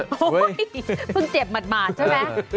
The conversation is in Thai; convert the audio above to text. โอ้โหเพิ่งเจ็บหมาดใช่ไหม